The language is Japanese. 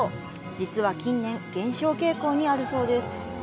実は近年減少傾向にあるそうです。